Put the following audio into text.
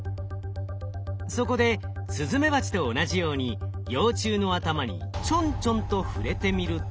そこでスズメバチと同じように幼虫の頭にちょんちょんと触れてみると。